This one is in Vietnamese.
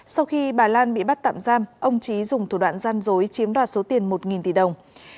sau khi bà lan bị bắt tạm giam ông trí dùng thủ đoạn gian dối chiếm đoạt số tiền một tỷ đồng